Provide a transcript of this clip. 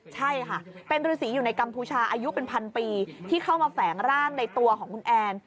ใช่ค่ะเป็นฤษีอยู่ในกัมพูชาอายุเป็นพันปีที่เข้ามาแฝงร่างในตัวของคุณแอน